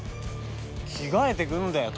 着替えてくんだよ